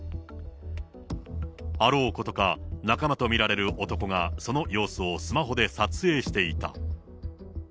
あろうことか、仲間と見られる男がその様子をスマホで撮影していた。